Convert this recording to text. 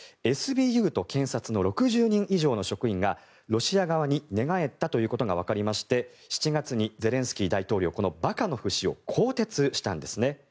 ＳＢＵと検察の６０人以上の職員がロシア側に寝返ったということがわかりまして７月にゼレンスキー大統領このバカノフ氏を更迭したんですね。